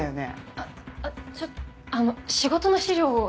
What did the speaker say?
あっちょっとあの仕事の資料を捜してて。